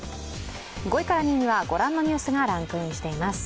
５位から２位にはご覧のニュースがランクインしています。